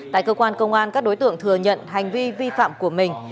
tại cơ quan công an các đối tượng thừa nhận hành vi vi phạm của mình